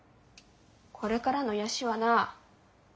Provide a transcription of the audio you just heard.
これからの癒やしはな